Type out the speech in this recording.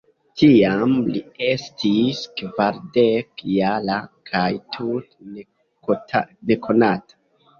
Tiam li estis kvardek-jara kaj tute nekonata.